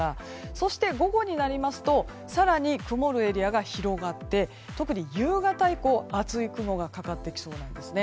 そして午後になりますと更に、曇るエリアが広がって特に夕方以降、厚い雲がかかってきそうなんですね。